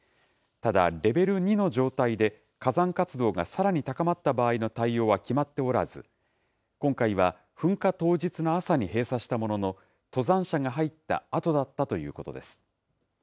ただレベル２の状態で、火山活動がさらに高まった場合の対応は決まっておらず、今回は、噴火当日の朝に閉鎖したものの、登山者が入ったあとだったということです。